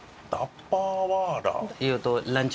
ランチ